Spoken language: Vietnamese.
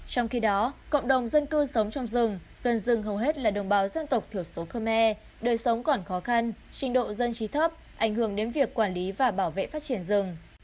trong khi đó cộng đồng dân cư sống trong rừng gần rừng hầu hết là đồng bào dân tộc thiểu số khơ me đời sống còn khó khăn trình độ dân trí thấp ảnh hưởng đến việc quản lý và bảo vệ phát triển rừng